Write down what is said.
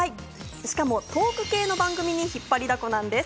しかもトーク系の番組に引っ張りだこなんです。